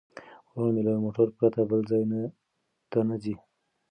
ورور مې له موټر پرته بل ځای ته نه ځي.